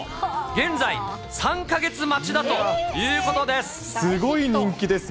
現在、３か月待ちだということですごい人気です。